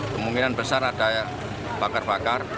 kemungkinan besar ada bakar bakar